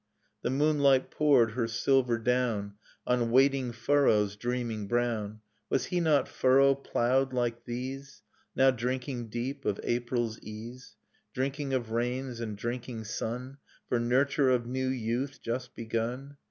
The moonlight poured her silver down On waiting furrows dreaming brown; Was he not furrow ploughed like these Now drinking deep of April's ease. Drinking of rains and drinking sun For nurture of new youth just begun